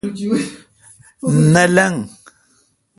نہ لنگ۔